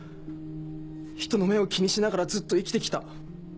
ひとの目を気にしながらずっと生きて来た。